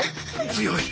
強い。